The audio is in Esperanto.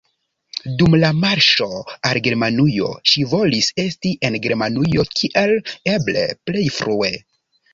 Dum la marŝo al Germanujo ŝi volis esti en Germanujo kiel eble plej frue.